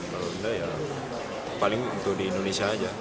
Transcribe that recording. kalau tidak ya paling untuk di indonesia saja